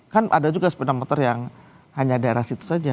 kan ada juga sepeda motor yang hanya daerah situ saja